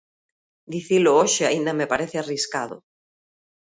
Dicilo hoxe aínda me parece arriscado.